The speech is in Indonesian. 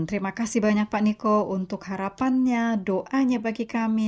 terima kasih banyak pak niko untuk harapannya doanya bagi kami